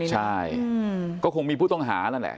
ใช่ก็คงมีผู้ต้องหานั่นแหละ